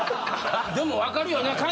でも分かるよね。